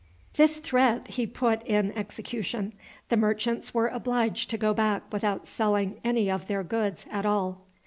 ] This threat he put in execution. The merchants were obliged to go back without selling any of their goods at all.